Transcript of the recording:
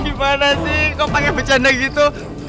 gimana sih kok pakai becanda gitu